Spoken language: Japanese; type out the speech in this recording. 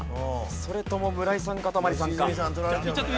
それとも村井さんかたまりさんか？